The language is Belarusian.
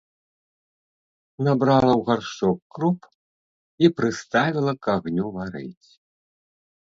Набрала ў гаршчок круп і прыставіла к агню варыць.